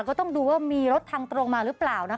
ก็ต้องดูว่ามีรถทางตรงมาหรือเปล่านะคะ